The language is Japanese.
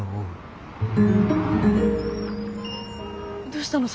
どうしたの？